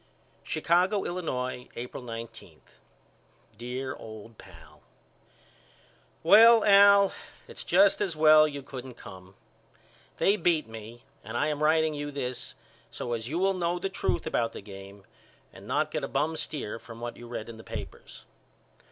Chicago, Illinois, April 19. DEAR OLD PAL: Well Al it's just as well you couldn't come. They beat me and I am writing you this so as you will know the truth about the game and not get a bum steer from what you read in the papers.